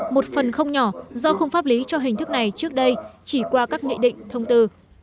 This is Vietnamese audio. một phần không nhỏ do không pháp lý cho hình thức này trước đây chỉ qua các nghị định thông tư